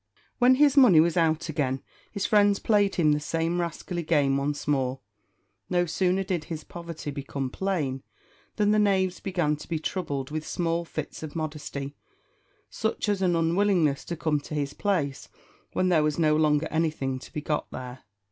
When his money was out again, his friends played him the same rascally game once more. No sooner did his poverty become plain, than the knaves began to be troubled with small fits of modesty, such as an unwillingness to come to his place when there was no longer anything to be got there.